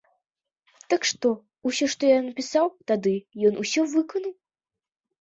Так што, усё, што я яму напісаў тады, ён усё выканаў.